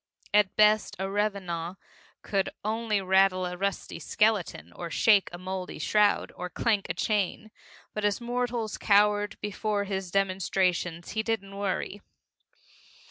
At best a revenant could only rattle a rusty skeleton, or shake a moldy shroud, or clank a chain but as mortals cowered before his demonstrations, he didn't worry.